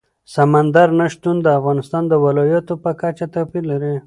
سمندر نه شتون د افغانستان د ولایاتو په کچه توپیر لري.